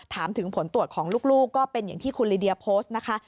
ถามถึงผลตรวจของลูกก็เป็นอย่างที่คุณลิเดียโพสต์นะคะ